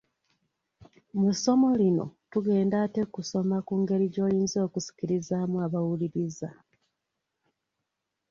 Mu ssomo lino tugenda ate kusoma ku ngeri gy’oyinza okusikirizaamu abakuwuliriza.